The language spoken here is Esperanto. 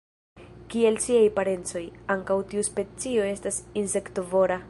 Kiel siaj parencoj, ankaŭ tiu specio estas insektovora.